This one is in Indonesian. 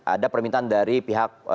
ada permintaan dari pihak